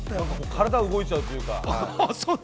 体動いちゃうというか。